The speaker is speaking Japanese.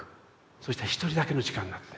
そうしたら一人だけの時間になって。